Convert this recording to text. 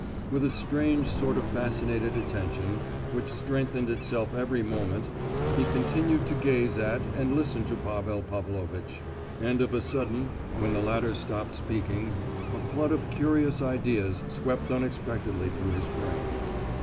With a strange sort of fascinated attention, which strengthened itself every moment, he continued to gaze at and listen to Pavel Pavlovitch, and of a sudden, when the latter stopped speaking, a flood of curious ideas swept unexpectedly through his brain.